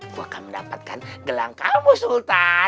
aku akan mendapatkan gelang kamu sultan